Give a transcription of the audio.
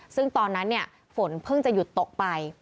ซึ่งตอนนั้นฝนเพิ่งจะหยุดตกไป